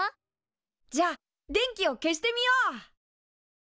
じゃあ電気を消してみよう！